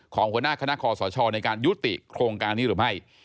หัวหน้าคณะคอสชในการยุติโครงการนี้หรือไม่